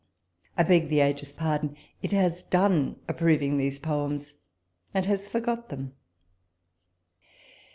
" I beg the age's pardon : it has done approving these poems, and has forgot them.